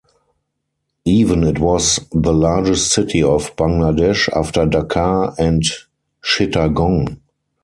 Even it was the largest city of Bangladesh after Dhaka and Chittagong.